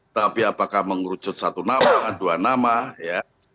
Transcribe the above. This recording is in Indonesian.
tapi apakah mengkrucut satu nama atau dua nama ya